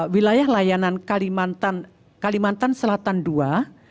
wilayah layanan kalimantan selatan ii